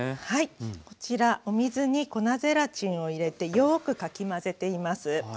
はいこちらお水に粉ゼラチンを入れてよくかき混ぜています。